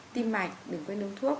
tim mạch đừng quên uống thuốc